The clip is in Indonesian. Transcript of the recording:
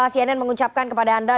cnn mengucapkan kepada anda